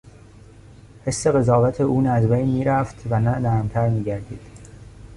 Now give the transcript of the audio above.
حس قضاوت او نه از بین میرفت و نه نرمتر میگردید.